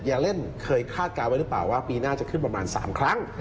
เล่นเคยคาดการณ์ไว้หรือเปล่าว่าปีหน้าจะขึ้นประมาณ๓ครั้ง